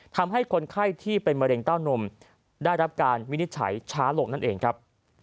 ทำให้คนไข้ที่เป็นมะเร็งเต้านมได้รับการวินิจฉัยช้าลงนั่นเองครับ